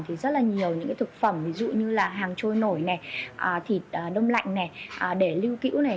thì rất là nhiều những cái thực phẩm ví dụ như là hàng trôi nổi này thịt đông lạnh này để lưu cữu này